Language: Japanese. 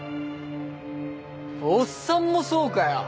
おっさんもそうかよ。